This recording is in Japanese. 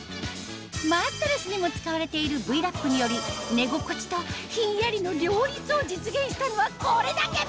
マットレスにも使われているＶ−Ｌａｐにより寝心地とひんやりの両立を実現したのはこれだけ！